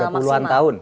sudah puluhan tahun